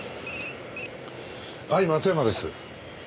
はい松山です。